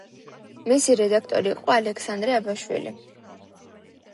მისი რედაქტორი იყო ალექსანდრე აბაშელი.